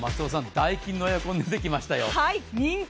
ダイキンのエアコン出てきましたよ。